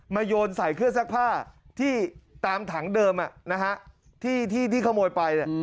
โยนใส่เครื่องซักผ้าที่ตามถังเดิมที่ขโมยไป